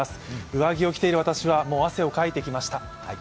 上着を着ている私はもう汗をかいてきました。